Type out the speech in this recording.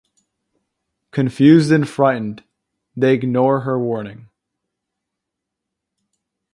Confused and frightened, they ignore her warning.